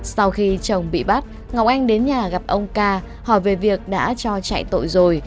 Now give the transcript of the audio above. sau khi chồng bị bắt ngọc anh đến nhà gặp ông ca hỏi về việc đã cho chạy tội rồi